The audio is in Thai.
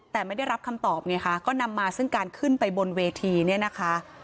แต่ไม่ได้รับคำตอบไงค่ะก็นำมาซึ่งการขึ้นไปบนเวทีเนี่ยนะคะ